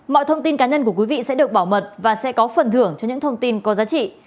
mọi thông tin cá nhân của quý vị sẽ được bảo mật và sẽ có phần thưởng cho những thông tin có giá trị